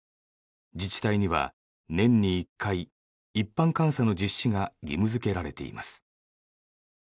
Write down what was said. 自治体には年に１回一般監査の実施が義務づけられています。